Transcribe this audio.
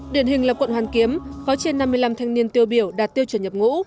điển hình là quận hoàn kiếm có trên năm mươi năm thanh niên tiêu biểu đạt tiêu chuẩn nhập ngũ